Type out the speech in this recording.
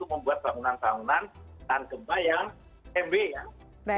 membuat bangunan bangunan tahan gempa yang tmb ya